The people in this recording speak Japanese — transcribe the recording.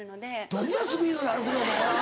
どんなスピードで歩くねんお前は。